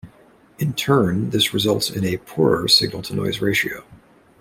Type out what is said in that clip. In turn, this results in a poorer signal to noise ratio.